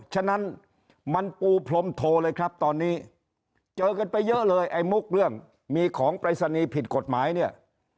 ฉะนั้นมันปูพรมโทเลยครับตอนนี้เจอกันไปเยอะเลยไอ้มุกเรื่องมีของปรายศนีย์ผิดกฎหมายเนี่ย